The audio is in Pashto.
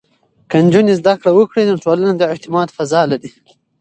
که نجونې زده کړه وکړي، نو ټولنه د اعتماد فضا لري.